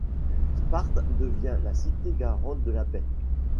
Sparte devient la cité garante de la paix.